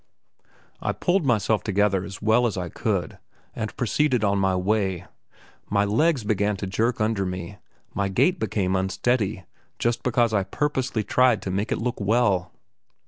I pulled myself together as well as I could and proceeded on my way; my legs began to jerk under me, my gait became unsteady just because I purposely tried to make it look well.